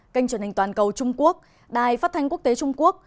kênh truyền hình toàn cầu trung quốc đài phát thanh quốc tế trung quốc